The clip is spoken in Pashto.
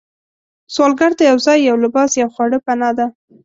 سوالګر ته یو ځای، یو لباس، یو خواړه پناه ده